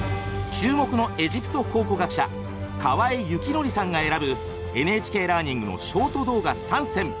注目のエジプト考古学者河江肖剰さんが選ぶ「ＮＨＫラーニング」のショート動画３選。